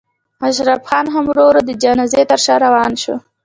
اشرف خان هم ورو ورو د جنازې تر شا روان شو.